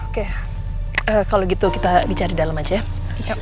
oke kalau gitu kita bicara di dalam aja ya